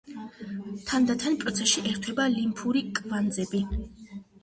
თანდათან პროცესში ერთვება ლიმფური კვანძები.